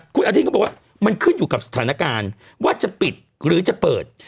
คุณอาทิตย์ก็บอกว่ามันขึ้นอยู่กับสถานการณ์ว่าจะปิดหรือจะเปิด